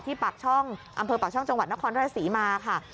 ปากช่องอำเภอปากช่องจังหวัดนครราชศรีมาค่ะ